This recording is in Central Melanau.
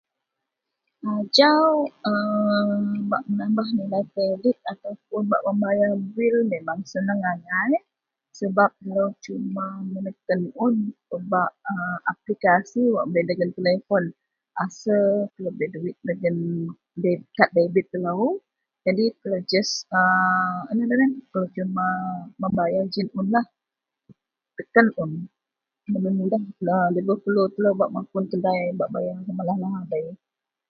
Ajau erm bak menambah nilai kredit ataupun bak mebayar bil memang seneng angai, sebap melou cuma meneken un pebak applikasi bei dagen telepon asel telou bei duit dagen kad debit telou, jadi telou just.. [a] inou tou ngadan telou cuma mebayar jiyenlah, teken un [debei mudah] debei perlu debei telou mapun kedai bak bayar samalah lahabei